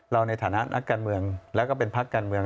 ในฐานะนักการเมืองแล้วก็เป็นพักการเมือง